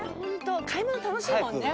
買い物楽しいもんね。